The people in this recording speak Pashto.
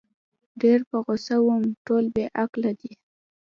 ډېر په غوسه وم، ټول بې عقله دي.